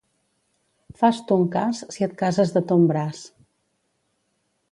Fas ton cas si et cases de ton braç.